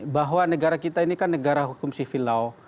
bahwa negara kita ini kan negara hukum sivil law